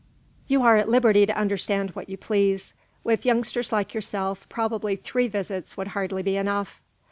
"You are at liberty to understand what you please. With youngsters like yourself, probably three visits would hardly be enough."